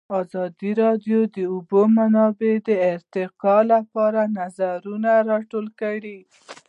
ازادي راډیو د د اوبو منابع د ارتقا لپاره نظرونه راټول کړي.